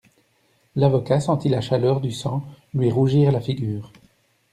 L'avocat sentit la chaleur du sang lui rougir la figure.